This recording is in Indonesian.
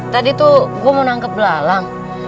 tadi tuh gue mau nangkep belalang